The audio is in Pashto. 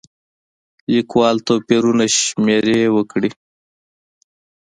لیکوال توپیرونه شمېرې وکړي.